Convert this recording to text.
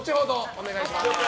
お願いします。